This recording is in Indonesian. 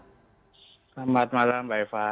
selamat malam mbak eva